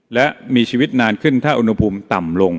และมีชีวิตนานขึ้นถ้าอุณหภูมิต่ำลง